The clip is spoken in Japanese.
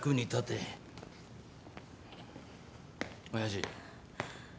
親父。